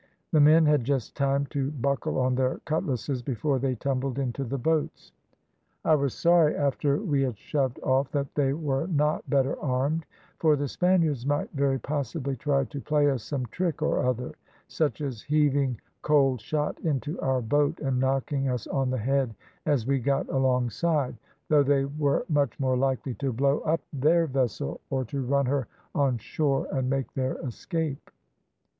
The men had just time to buckle on their cutlasses before they tumbled into the boats. I was sorry after we had shoved off that they were not better armed, for the Spaniards might very possibly try to play us some trick or other, such as heaving cold shot into our boat and knocking us on the head as we got alongside, though they were much more likely to blow up their vessel or to run her on shore and make their escape.